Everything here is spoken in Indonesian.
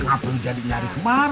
ngapain jadi nyari emak